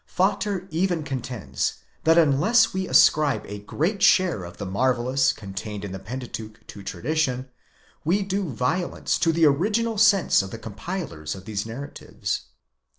Vater even contends, that unless we ascribe a great share of the marvellous contained in the Pentateuch to tradition, we do violence to the original sense of the compilers of these narratives.